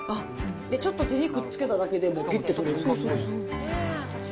ちょっと手にくっつけただけでも、もうぴって取れるから。